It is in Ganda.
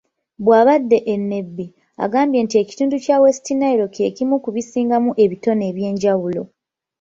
Bw'abadde e Nebbi, agambye nti ekitundu kya West Nile ky'ekimu ku bisingamu ebitone eby'enjawulo.